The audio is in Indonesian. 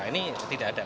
ini tidak ada